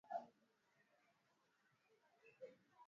Magonjwa yanayoshambulia ngombe